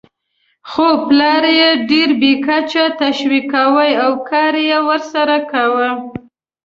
خو پلار یې ډېر بې کچې تشویقاوو او کار یې ورسره کاوه.